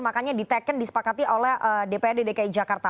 makanya di tag in di sepakati oleh dprd dki jakarta